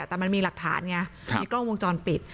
แต่มันมีหลักฐานไงมีกล้องวงจรปิด